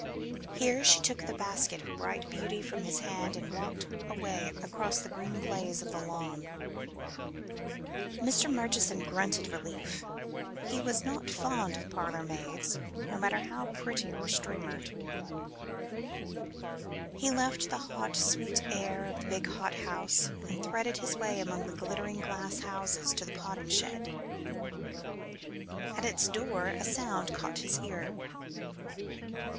Here she took the basket of bright beauty from his hand and walked away across the green blaze of the lawn. Mr. Murchison grunted relief. He was not fond of parlourmaids, no matter how pretty and streamered. He left the hot, sweet air of the big hothouse and threaded his way among the glittering glasshouses to the potting shed. At its door a sound caught his ear.